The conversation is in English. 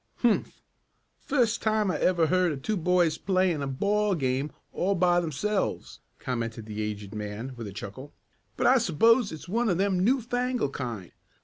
"Humph! Fust time I ever heard of two boys playin' a ball game all by themselves," commented the aged man with a chuckle. "But I s'pose it's one of them new fangled kind.